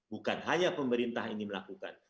bukan hanya pemerintah ini melakukan